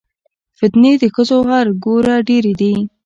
فتنې د ښځو هر ګوره ډېرې دي